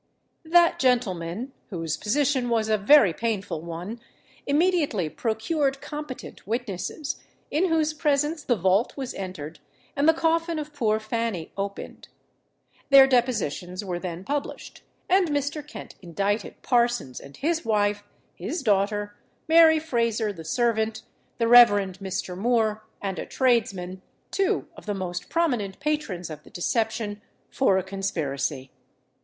That gentleman, whose position was a very painful one, immediately procured competent witnesses, in whose presence the vault was entered, and the coffin of poor Fanny opened. Their depositions were then published; and Mr. Kent indicted Parsons and his wife, his daughter, Mary Frazer the servant, the Rev. Mr. Moor, and a tradesman, two of the most prominent patrons of the deception, for a conspiracy.